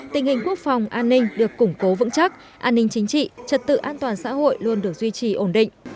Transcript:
tình hình quốc phòng an ninh được củng cố vững chắc an ninh chính trị trật tự an toàn xã hội luôn được duy trì ổn định